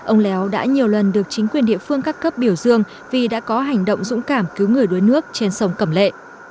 ông léo đã nhiều lần được chính quyền địa phương các cấp biểu dương vì đã có hành động dũng cảm cứu người đuối nước trên sông cẩm lệ